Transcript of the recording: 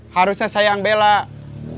harusnya saya yang belakang